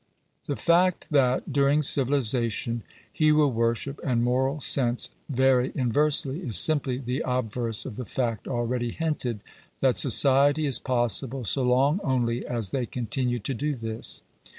The fact that, during civilization, hero worship and moral sense vary inversely, is simply the obverse of the fact already hinted, that society is possible so long only as they continue to do this.